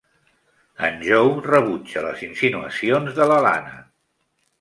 En Joe rebutja les insinuacions de la Lana.